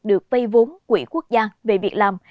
được vây vốn quỹ quốc gia về việc làm